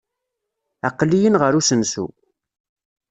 Aql-iyi-n ɣer usensu.